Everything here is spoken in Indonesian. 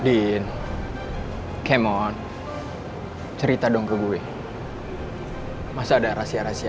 apa pantes kalau aku bahas masalah ini sama kak rafael